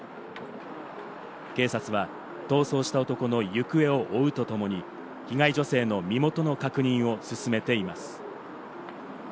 警察は逃走した男の行方を追うとともに被害女性の身元の確認を進めています。